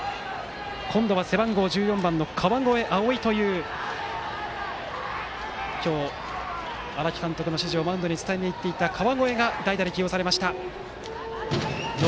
今度は背番号１４番の川越葵生という今日、荒木監督の指示をマウンドに伝えに行っていました川越が代打で起用されました。